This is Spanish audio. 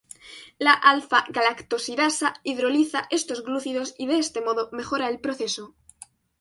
La alfa-galactosidasa hidroliza estos glúcidos y de este modo mejora el proceso.